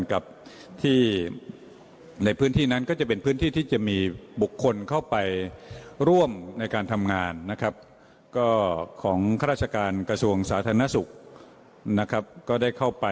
การปอบมากใจครับนี่ละนะครับสวัสดีค่ะ